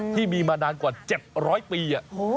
ที่มีมานานกว่า๗๐๐ปี